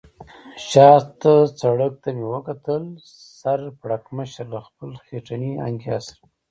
شا ته سړک ته مې وکتل، سر پړکمشر له خپلې خټینې انګیا سره.